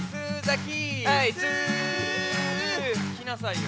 きなさいよ。